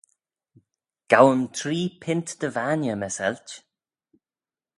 Goym tree pint dy vainney, my sailt.